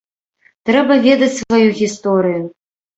Трэба ведаць сваю гісторыю.